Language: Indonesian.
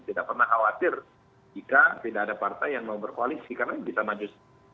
tidak pernah khawatir jika tidak ada partai yang mau berkoalisi karena bisa maju